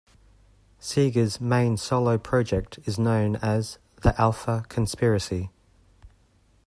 Sega's main solo project is known as The Alpha Conspiracy.